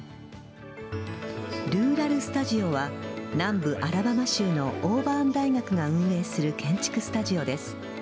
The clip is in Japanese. ルーラル・スタジオは南部・アラバマ州のオーバーン大学が運営する建築スタジオです。